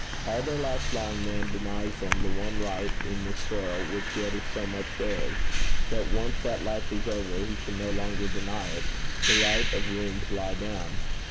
All their life long man denies them the one right in the soil which yet is so much theirs, that once that life is over, he can no longer deny it the right of room to lie down.